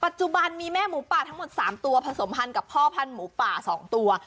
ปัจจุบันมีแม่หมูป่าทั้งหมด๓ตัวผสมพันธ์กับพ่อพันธุ์หมูป่า๒ตัว